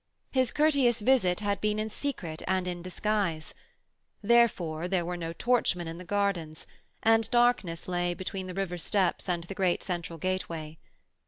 His courteous visit had been in secret and in disguise; therefore there were no torchmen in the gardens, and darkness lay between the river steps and the great central gateway.